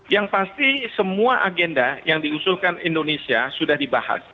yang pasti semua agenda yang diusulkan indonesia sudah dibahas